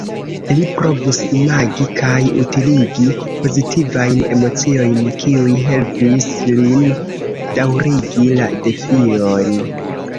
Li provis imagi kaj utiligi pozitivajn emociojn, kiuj helpis lin daŭrigi la defion.